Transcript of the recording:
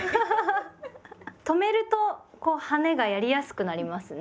止めると「はね」がやりやすくなりますね。